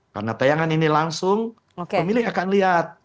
karena tayangan ini langsung pemilih akan melihat